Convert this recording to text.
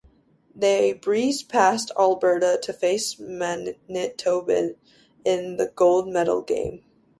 They breezed past Alberta to face Manitoba in the gold medal game.